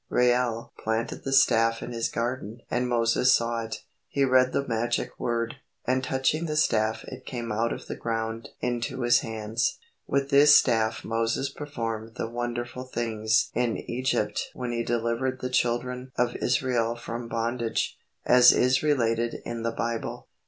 Reuel planted the staff in his garden and Moses saw it. He read the magic word, and touching the staff it came out of the ground into his hands. With this staff Moses performed the wonderful things in Egypt when he delivered the children of Israel from bondage, as is related in the Bible.